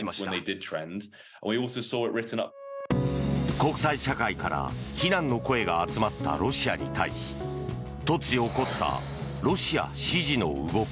国際社会から非難の声が集まったロシアに対し突如起こったロシア支持の動き。